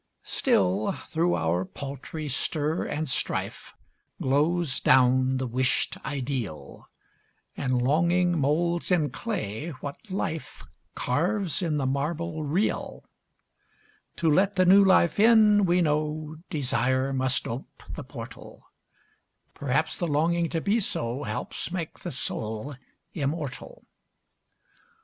Still, through our paltry stir and strife, Glows down the wished Ideal, And Longing moulds in clay what Life Carves in the marble Real; To let the new life in, we know, Desire must ope the portal; Perhaps the longing to be so Helps make the soul immortal.